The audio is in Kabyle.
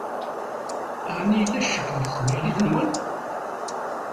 Ɛni yella ccek deg teqbaylit-nwen?